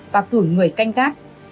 và cử người canh gác